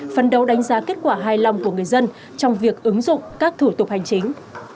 phân đấu đánh giá kết quả hài lòng của người dân trong việc ứng dụng các thủ tục hành chính